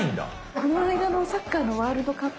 この間のサッカーのワールドカップ？